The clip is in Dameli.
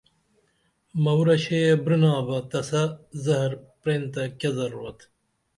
مورہ شیہ برینابہ تسہ زہر پرین تہ کیہ ضروت